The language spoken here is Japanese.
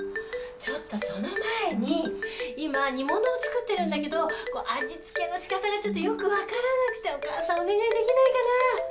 ちょっとその前に今煮物を作ってるんだけど味付けのしかたがちょっとよく分からなくてお母さんお願いできないかな？